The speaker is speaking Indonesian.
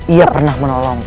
ia pernah menolongku